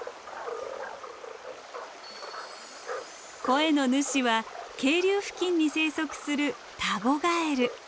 声の主は渓流付近に生息するタゴガエル。